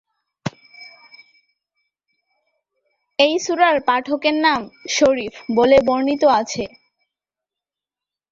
এই সূরার পাঠকের নাম ""শরীফ"" বলে বর্ণিত আছে।